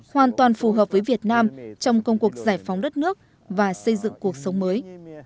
hoàn toàn phù hợp với việt nam trong công cuộc giải phóng đất nước và xây dựng cuộc sống mới